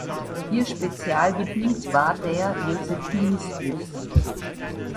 Ihr Spezialgebiet war der Josephinismus.